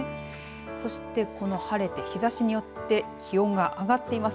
そしてこの晴れて日ざしによって気温が上がっています。